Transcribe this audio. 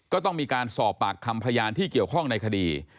ก็ต้องมีการสอบปากคำพยานที่เกี่ยวข้องในคดี